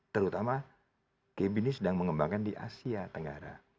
terutama kb ini sedang mengembangkan di asia tenggara